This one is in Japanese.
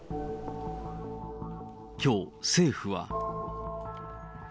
きょう、政府は。